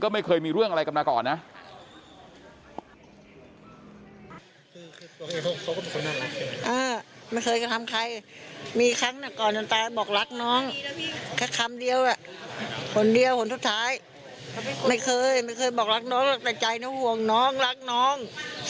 ไม่เคยไม่เคยบอกรักน้องแต่ใจน้องห่วงน้องรักน้อง